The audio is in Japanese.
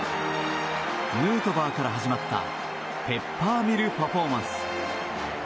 ヌートバーから始まったペッパーミルパフォーマンス。